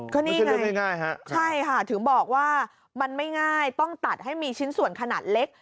ก็นี่ไงใช่ค่ะถึงบอกว่ามันไม่ง่ายต้องตัดให้มีชิ้นส่วนขนาดเล็ก